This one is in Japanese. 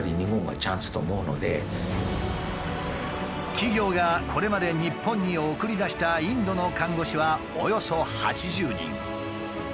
企業がこれまで日本に送り出したインドの看護師はおよそ８０人。